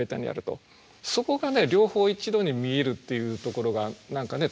そこがね両方一度に見えるっていうところが何かね